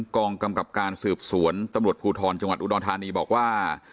กองกำกับการสืบสวนตำรวจภูทรจังหวัดอุดรธานีบอกว่า